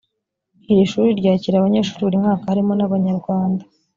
iri shuri ryakira abanyeshuri buri mwaka harimo n’abanyarwanda